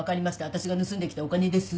私が盗んできたお金です。